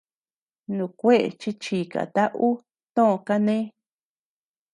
Nukueʼë chi chikata ú tö kané.